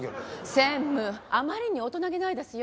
専務あまりに大人げないですよ。